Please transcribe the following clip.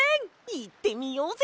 いってみようぜ！